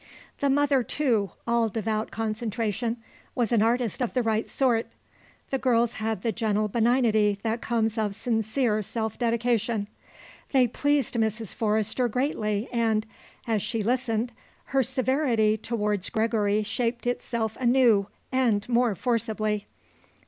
The mother, too, all devout concentration, was an artist of the right sort; the girls had the gentle benignity that comes of sincere self dedication. They pleased Mrs. Forrester greatly and, as she listened, her severity towards Gregory shaped itself anew and more forcibly.